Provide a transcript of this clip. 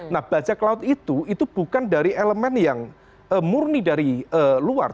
nah bajak laut itu itu bukan dari elemen yang murni dari luar